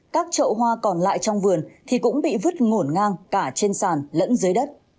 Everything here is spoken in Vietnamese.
các trậu hoa còn lại trong vườn thì cũng bị vứt ngổn ngang cả trên sàn lẫn dưới đất